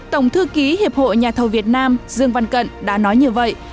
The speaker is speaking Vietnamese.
tổng thư ký hiệp hội nhà thầu việt nam dương văn cận đã nói như vậy